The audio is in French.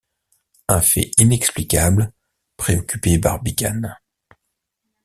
Un fait inexplicable préoccupait Barbicane.